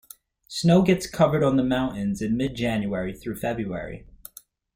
Snow gets covered on the mountains in mid January through February.